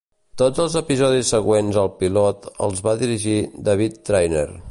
Tots els episodis següents al pilot els va dirigir David Trainer.